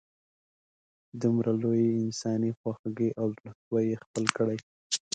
دومره لویې انسانې خواږۍ او زړه سوي یې خپل کړي.